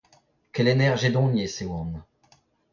Kelenner jedoniezh e oan.